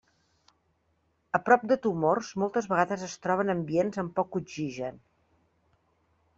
A prop de tumors moltes vegades es troben ambients amb poc oxigen.